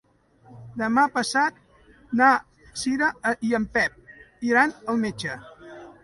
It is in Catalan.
Demà passat na Cira i en Pep iran al metge.